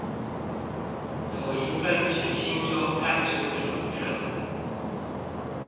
左營分局新莊派出所側